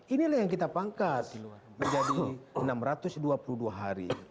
inilah yang kita pangkat menjadi enam ratus dua puluh dua hari